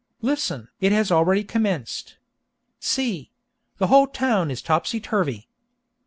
Listen! it has already commenced. See!—the whole town is topsy turvy.